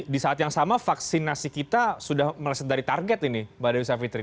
di saat yang sama vaksinasi kita sudah meleset dari target ini mbak dewi savitri